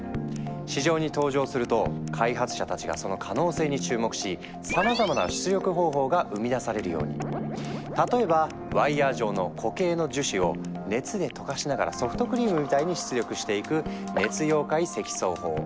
市場に登場すると開発者たちがその可能性に注目し例えばワイヤー状の固形の樹脂を熱で溶かしながらソフトクリームみたいに出力していく「熱溶解積層法」。